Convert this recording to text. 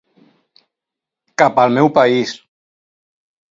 Cap al meu país!